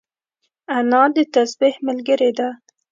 انا د تسبيح ملګرې ده